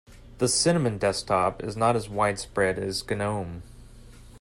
The cinnamon desktop is not as widespread as gnome.